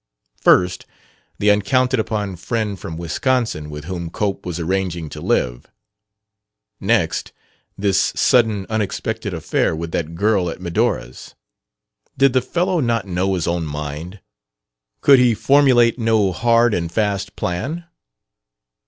First the uncounted upon friend from Wisconsin with whom Cope was arranging to live; next, this sudden, unexpected affair with that girl at Medora's. Did the fellow not know his own mind? Could he formulate no hard and fast plan?